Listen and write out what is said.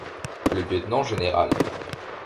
Le lieutenant général.